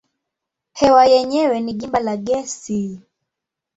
Hewa yenyewe ni gimba la gesi.